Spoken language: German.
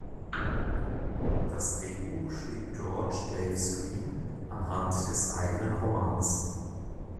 Das Drehbuch schrieb George Dawes Green anhand des eigenen Romans.